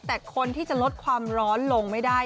แต่คนที่จะลดความร้อนลงไม่ได้